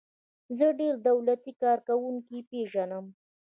زه ډیر دولتی کارکوونکي پیژنم.